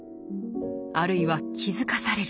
あるいは気付かされる。